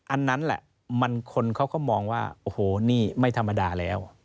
อันนั้นแหละมันคนเขาก็มองว่าโอ้โหนี่ไม่ธรรมดาแล้ว